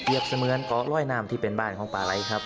เรียบเสมือนกับรอยน้ำที่เป็นบ้านของปลาไหล่ครับ